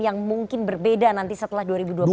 yang mungkin berbeda nanti setelah dua ribu dua puluh empat